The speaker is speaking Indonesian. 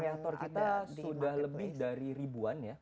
kreator kita sudah lebih dari ribuan ya